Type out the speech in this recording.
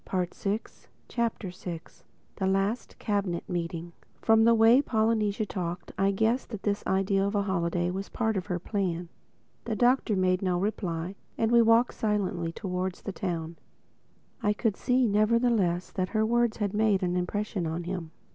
THE SIXTH CHAPTER THE LAST CABINET MEETING FROM the way Polynesia talked, I guessed that this idea of a holiday was part of her plan. The Doctor made no reply; and we walked on silently towards the town. I could see, nevertheless that her words had made an impression on him.